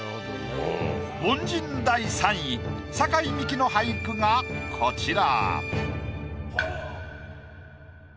凡人第３位酒井美紀の俳句がこちら。